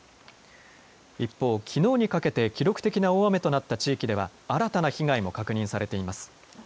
一方、きのうにかけて記録的な大雨となった地域では新たな被害も確認されています。